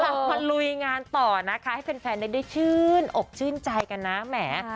มาลุยงานต่อนะคะให้แฟนได้ชื่นอกชื่นใจกันนะแหม